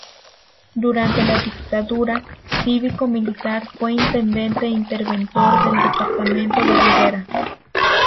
Durante la dictadura cívico-militar fue intendente interventor del departamento de Rivera.